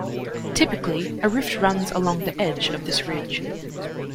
Typically a rift runs along the edge of this ridge.